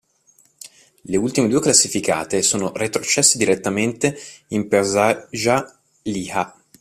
Le ultime due classificate sono retrocesse direttamente in Peršaja Liha.